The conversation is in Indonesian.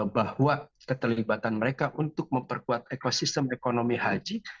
bahwa keterlibatan mereka untuk memperkuat ekosistem ekonomi haji